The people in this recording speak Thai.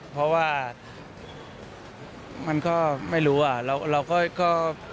เพราะว่ามันก็ไม่รู้อ่ะเราก็